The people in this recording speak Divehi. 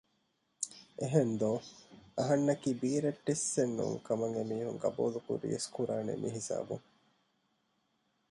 އެހެންދޯ އެވެ! އަހަންނަކީ ބީރައްޓެއްސެން ނޫން ކަމަށް އެމީހުން ގަބޫލުކުރިޔަސް ކުރާނީ މިހިސާބުން